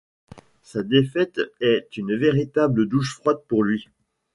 Sa défaite est une véritable douche froide pour lui.